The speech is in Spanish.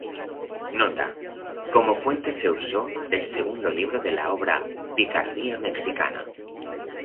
Nota: como fuente se usó el segundo libro de la obra "Picardía mexicana"